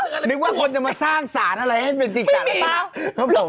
นึกว่าคนจะมาสร้างสารอะไรให้เป็นจริงจัดหรือเปล่า